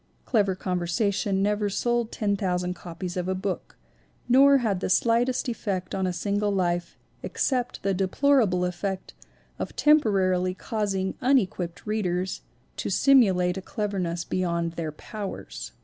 Clever con versation never sold 10,000 copies of a book nor had the slightest effect on a single life except the deplora ble effect of temporarily causing unequipped readers to simulate a cleverness beyond their powers.